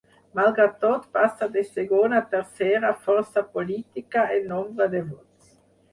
Malgrat tot, passa de segona a tercera força política en nombre de vots.